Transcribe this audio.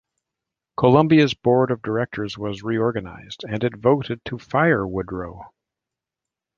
Columbia's board of directors was reorganized, and it voted to fire Woodrow.